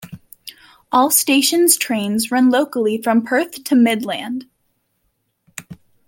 All stations trains run locally from Perth to Midland.